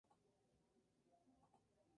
Hans vivió allí hasta su muerte.